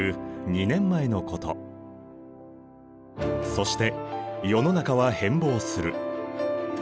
そして世の中は変貌する。